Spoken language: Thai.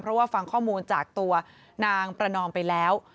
เพราะว่าฟังข้อมูลจากตัวนางประนอมไปแล้ว